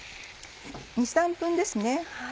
２３分ですね。